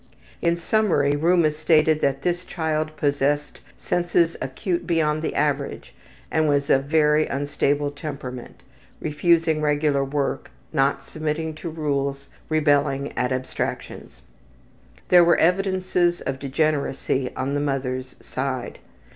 In summary, Rouma stated that this child possessed senses acute beyond the average, and was of very unstable temperament, refusing regular work, not submitting to rules, rebelling at abstractions. There were evidences of degeneracy on the mother's side.